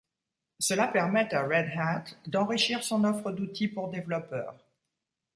Cela permet à Red Hat d'enrichir son offre d'outils pour développeurs.